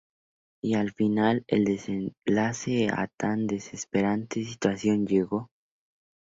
Y al final, el desenlace a tan desesperante situación llegó.